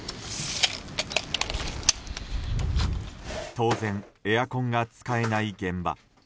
当然エアコンが使えない現場。